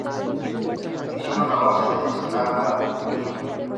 Lo hicieron a base de escalada libre.